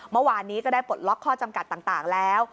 เมื่อวานนี้ก็ได้ปลดล็อกข้อจำกัดต่างแล้ว